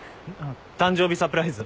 誕生日サプライズ。